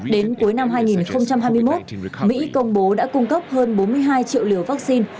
đến cuối năm hai nghìn hai mươi một mỹ công bố đã cung cấp hơn bốn mươi hai triệu liều vaccine